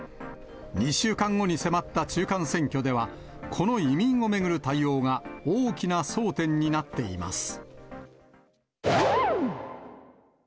２週間後に迫った中間選挙では、この移民を巡る対応が大きな争点になっています。